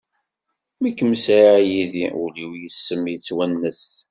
Mi kem-sɛiɣ yid-i, ul-iw yess-m yetwennes.